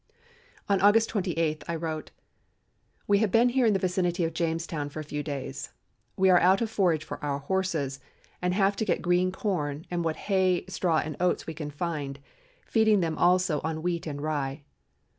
On August 28, I wrote: "We have been here in the vicinity of Jamestown for a few days. We are out of forage for our horses, and have to get green corn and what hay, straw, and oats we can find, feeding them also on wheat and rye.